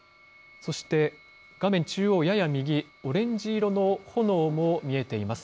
そして画面中央、やや右、オレンジ色の炎も見えています。